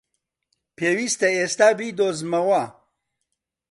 پێویستە ئێستا بیدۆزمەوە!